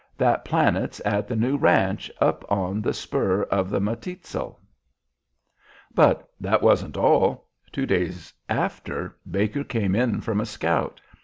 That planet's at the new ranch up on the spur of the Matitzal.' "But that wasn't all. Two days after, Baker came in from a scout.